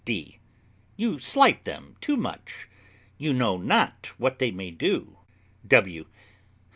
D. You slight them too much; you know not what they may do. W.